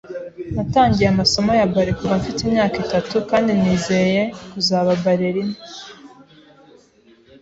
Natangiye amasomo ya ballet kuva mfite imyaka itatu kandi nizeye kuzaba ballerina.